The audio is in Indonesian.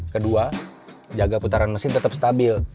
kedua jaga putaran mesin tetap stabil